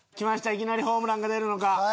いきなりホームランが出るのか？